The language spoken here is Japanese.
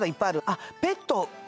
あっペット。